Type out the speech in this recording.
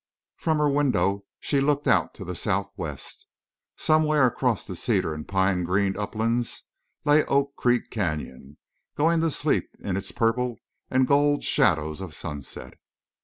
From her window she looked out to the southwest. Somewhere across the cedar and pine greened uplands lay Oak Creek Canyon, going to sleep in its purple and gold shadows of sunset.